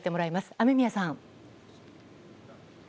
雨宮さん。